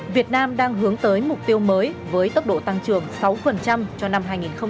việt nam đang hướng tới mục tiêu mới với tốc độ tăng trưởng sáu cho năm hai nghìn hai mươi